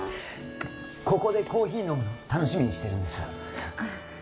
ここでコーヒー飲むの楽しみにしてるんです